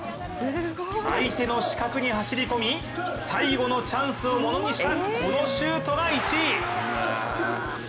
相手の死角に走り込み、最後のチャンスをものにしたこのシュートが１位。